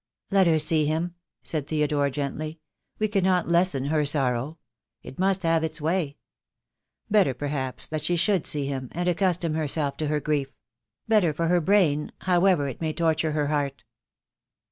"Let her see him," said Theodore, gently. "We can not lessen her sorrow. It must have its way. Better perhaps that she should see him, and accustom herself to her grief; better for her brain, however it may torture her heart."